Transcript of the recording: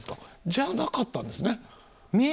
じゃなかったんですね。